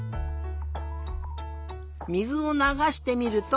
水をながしてみると。